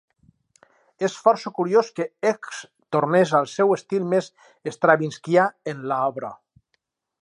És força curiós que Egk tornés al seu estil més Stravinskià en la obra.